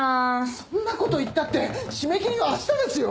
そんなこと言ったって締め切りは明日ですよ